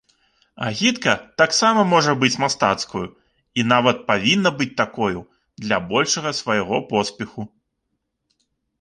Агітка таксама можа быць мастацкаю і нават павінна быць такою для большага свайго поспеху.